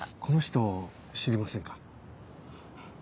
この人知りませんか？